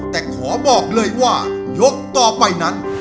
แต่ขอบอกเลยว่ายกต่อไปนั้น